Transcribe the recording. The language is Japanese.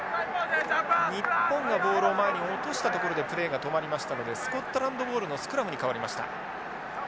日本がボールを前に落としたところでプレーが止まりましたのでスコットランドボールのスクラムに変わりました。